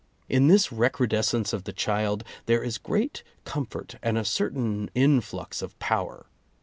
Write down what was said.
In this recru descence of the child, there is great comfort, and a certain influx of power.